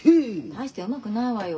大してうまくないわよ。